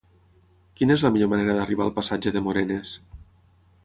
Quina és la millor manera d'arribar al passatge de Morenes?